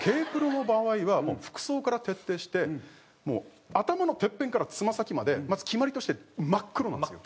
Ｋ−ＰＲＯの場合はもう服装から徹底して頭のてっぺんからつま先までまず決まりとして真っ黒なんですよ。